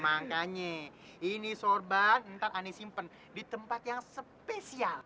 makanya ini sorban tak akan disimpan di tempat yang spesial